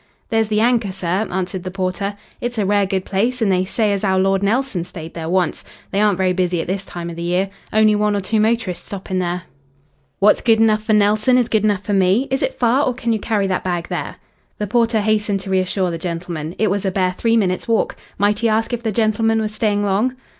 "There's the Anchor, sir," answered the porter. "It's a rare good place, an' they say as 'ow Lord Nelson stayed there once. They aren't very busy at this time of the year. Only one or two motorists stopping there." "What's good enough for Nelson is good enough for me. Is it far, or can you carry that bag there?" The porter hastened to reassure the gentleman. It was a bare three minutes' walk. Might he ask if the gentleman was staying long?